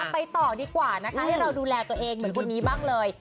ไปต่อดีกว่านะคะให้เราดูแลตัวเองเหมือนคนนี้บ้างเลย